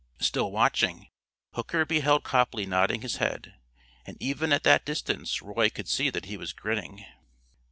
Still watching, Hooker beheld Copley nodding his head, and even at that distance Roy could see that he was grinning.